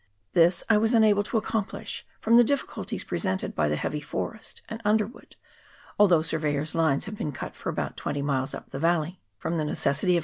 This I was unable to accomplish, from the difficulties presented by the heavy forest and under wood, although surveyors' lines had been cut for about twenty miles up the valley, from the necessity of CHAP.